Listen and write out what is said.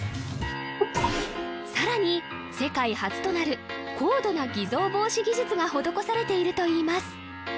さらに世界初となる高度な偽造防止技術が施されているといいます